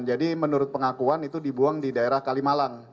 jadi menurut pengakuan itu dibuang di daerah kalimalang